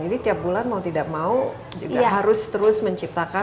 jadi tiap bulan mau tidak mau juga harus terus menciptakan